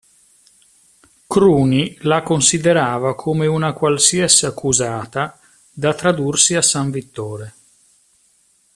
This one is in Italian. Cruni la considerava come una qualsiasi accusata da tradursi a San Vittore.